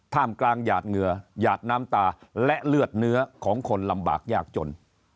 มกลางหยาดเหงื่อหยาดน้ำตาและเลือดเนื้อของคนลำบากยากจน